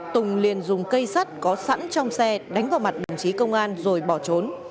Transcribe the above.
tùng liền dùng cây sắt có sẵn trong xe đánh vào mặt đồng chí công an rồi bỏ trốn